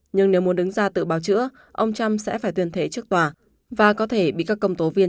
nhưng nếu muốn đứng ra tự báo chữa ông trump sẽ phải tuyên thế trước tòa và có thể bị các công tố viên